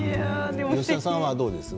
吉田さんはどうですか？